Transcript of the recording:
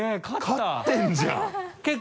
勝ってるじゃん。